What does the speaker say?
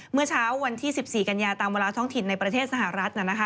เมื่อเช้าวันที่๑๔กันยาตามเวลาท้องถิ่นในประเทศสหรัฐ